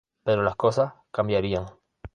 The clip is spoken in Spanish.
Pero las cosas cambiarían.